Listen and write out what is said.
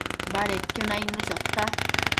badedquio nainnu chota